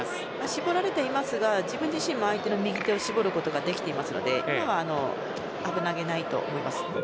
絞られていますが自分自身も相手の右手を絞ることはできていますので危なげないと思います。